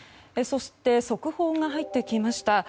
そして速報が入ってきました。